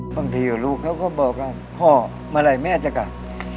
บางทีลูกเขาก็บอกว่าพ่อเมื่อไหร่แม่จะกลับ